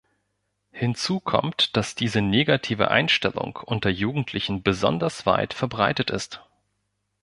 Hinzu kommt, dass diese negative Einstellung unter Jugendlichen besonders weit verbreitet ist.